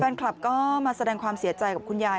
แฟนคลับก็มาแสดงความเสียใจกับคุณยาย